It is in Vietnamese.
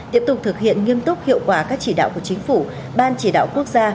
tiếp tục thực hiện nghiêm túc hiệu quả các chỉ đạo của chính phủ ban chỉ đạo quốc gia